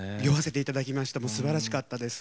もうすばらしかったです。